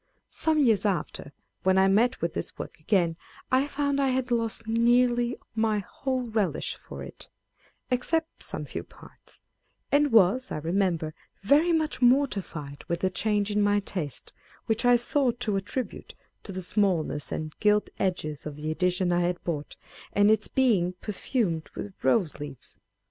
Some years after, when I met with this work again, I found I had lost nearly my whole relish for it (except some few parts), and was, I remember, very much mortified with the change in my taste, which I sought to attribute to the smallness and gilt edges of the edition I had bought, and its being per fumed with rose leaves.